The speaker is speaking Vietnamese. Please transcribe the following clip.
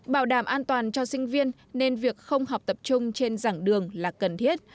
bảo đảm an toàn cho sinh viên nên việc không học tập trung trên dẳng đường là cần thiết